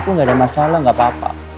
gue gak ada masalah gak apa apa